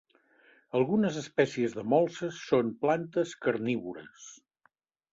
Algunes espècies de molses són plantes carnívores.